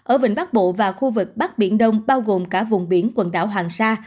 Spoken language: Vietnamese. ở vịnh bắc bộ và khu vực bắc biển đông bao gồm cả vùng biển quần đảo hoàng sa